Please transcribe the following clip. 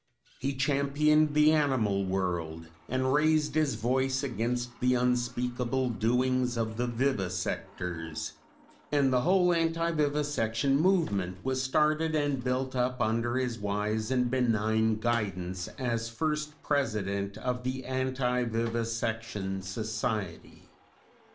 He championed the animal world and raised his voice against the unspeakable doings of the vivisectors, and the whole anti vivisection movement was started and built up under his wise and benign guidance, as first President of the Anti Vivisection Society.